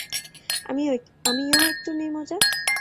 আমিও একটু নেই মজা?